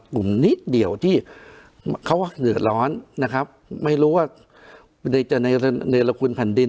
กลุ่มนิดเดียวที่เขาว่าเดือดร้อนนะครับไม่รู้ว่าในในในในละกูลผันดิน